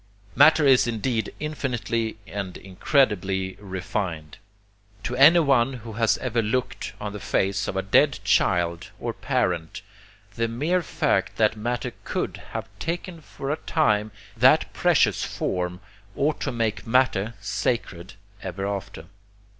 Matter is indeed infinitely and incredibly refined. To anyone who has ever looked on the face of a dead child or parent the mere fact that matter COULD have taken for a time that precious form, ought to make matter sacred ever after.